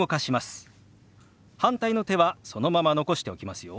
反対の手はそのまま残しておきますよ。